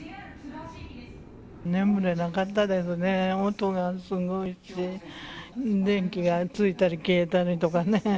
眠れなかったですね、音がすごいし、電気がついたり消えたりとかね。